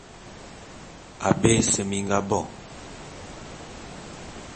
Abé ese mi nga bo.